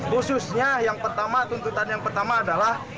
khususnya yang pertama tuntutan yang pertama adalah